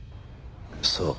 そう。